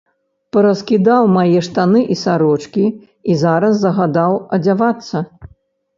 Параскідаў мае штаны і сарочкі і зараз загадаў адзявацца.